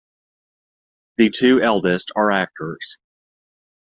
The two eldest are actors.